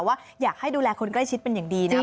ว่าอยากให้ดูแลคนใกล้ชิดเป็นอย่างดีนะครับ